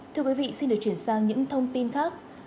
thưa quý vị xin được chuyển sang những thông tin khác